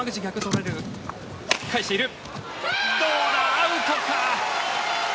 アウトか。